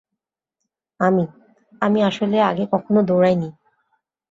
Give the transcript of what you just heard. আমি, আমি আসলে আগে কখনও দৌড়াইনি।